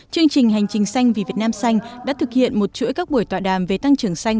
chương trình hành trình xanh vì việt nam xanh đã thực hiện một chuỗi các buổi tọa đàm về tăng trưởng xanh